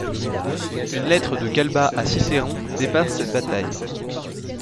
Une lettre de Galba à Cicéron dépeint cette bataille.